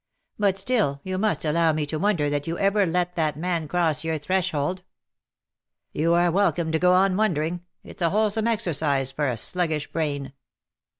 But still you must allow me to wonder that you ever let that man cross your threshold.^' " You are welcome to go on wondering. It's a wholesome exercise for a sluggish brain.''